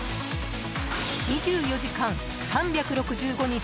２４時間３６５日